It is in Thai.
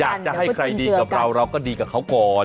อยากจะให้ใครดีกับเราเราก็ดีกับเขาก่อน